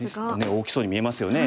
大きそうに見えますよね。